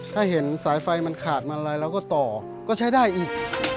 ถ้าเห็นสายไฟมันขาดมันอะไรเราก็ต่อก็ใช้ได้อีก